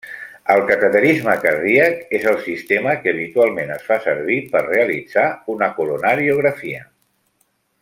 El cateterisme cardíac és el sistema que habitualment es fa servir per realitzar una coronariografia.